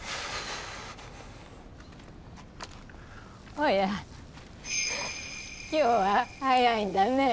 おや今日は早いんだね。